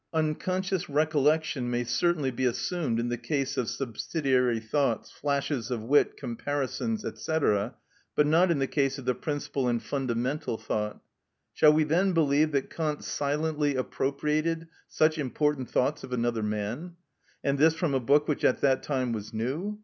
Unconscious recollection may certainly be assumed in the case of subsidiary thoughts, flashes of wit, comparisons, &c., but not in the case of the principal and fundamental thought. Shall we then believe that Kant silently appropriated such important thoughts of another man? and this from a book which at that time was new?